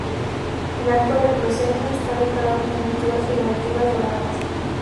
El arco del proscenio está decorado con esculturas figurativas doradas.